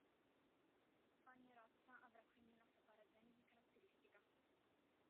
Ogni roccia avrà quindi una sua paragenesi caratteristica.